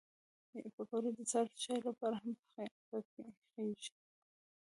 پکورې د سهر چای لپاره هم پخېږي